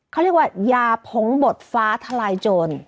เขาเรียกว่ายาผงบดฟ้าทลายโจร